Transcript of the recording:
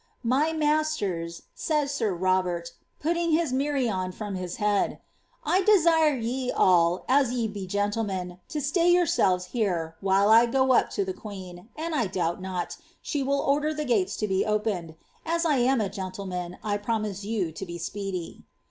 ''^ My masters,'' said sir Robert, putting his morion from his head. ^ I deeire ye all, as ye be gentlemen, to stay yourselves here, while I go cp to the queen, and 1 doubt not, she will onler the gates to be opened ; as I am a gentleman, 1 promise you to be speedy."